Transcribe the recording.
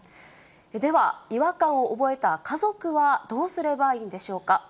では、違和感を覚えた家族はどうすればいいんでしょうか。